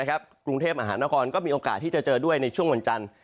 กรุงเทพมหานครก็มีโอกาสที่จะเจอด้วยในช่วงวันจันทร์